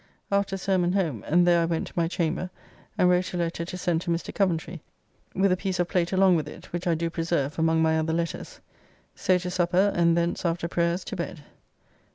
After sermon home, and there I went to my chamber and wrote a letter to send to Mr. Coventry, with a piece of plate along with it, which I do preserve among my other letters. So to supper, and thence after prayers to bed.